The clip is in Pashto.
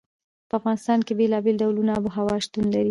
په افغانستان کې بېلابېل ډوله آب وهوا شتون لري.